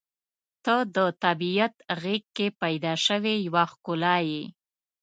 • ته د طبیعت غېږ کې پیدا شوې یوه ښکلا یې.